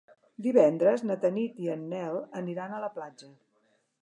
Divendres na Tanit i en Nel aniran a la platja.